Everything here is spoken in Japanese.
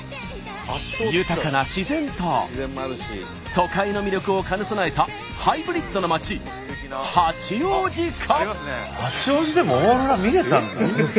豊かな自然と都会の魅力を兼ね備えたハイブリッドな街八王子か。